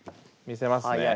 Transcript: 見せますね。